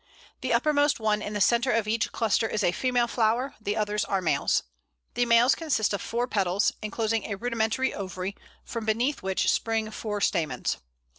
The uppermost one in the centre of each cluster is a female flower; the others are males. The males consist of four petals, enclosing a rudimentary ovary, from beneath which spring four stamens.